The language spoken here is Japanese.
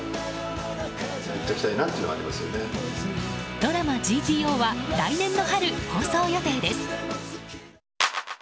ドラマ「ＧＴＯ」は来年の春放送予定です。